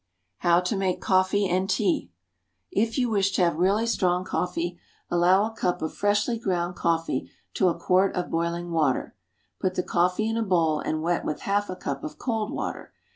How to make Coffee and Tea. If you wish to have really strong coffee, allow a cup of freshly ground coffee to a quart of boiling water. Put the coffee in a bowl and wet with half a cup of cold water.